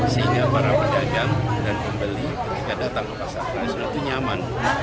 sehingga para pedagang dan pembeli ketika datang ke pasar tradisional itu nyaman